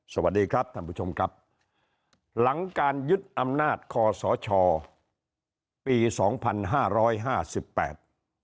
สวัสดีครับท่านผู้ชมครับหลังการยึดอำนาจคอสชปีสองพันห้าร้อยห้าสิบแปด